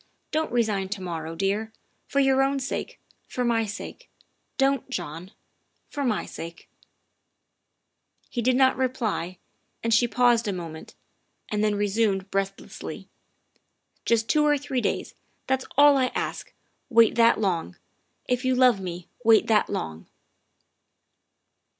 Don't resign to morrow, THE WIFE OF dear. For your own sake, for my sake, don't, John for my sake. '' He did not reply, and she paused a moment, then resumed breathlessly. " Just two or three days. That's all I ask. Wait that long. If you love me, wait that long.